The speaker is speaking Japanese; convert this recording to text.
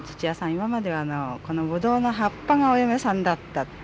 今まではこのブドウの葉っぱがお嫁さんだったって。